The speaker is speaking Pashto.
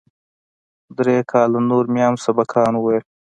درې کاله نور مې هم سبقان وويل.